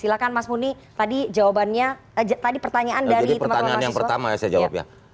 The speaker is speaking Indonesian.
silahkan mas muni tadi pertanyaan dari teman teman mahasiswa